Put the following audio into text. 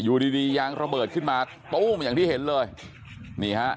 อยู่ดีดียางระเบิดขึ้นมาตู้มอย่างที่เห็นเลยนี่ฮะ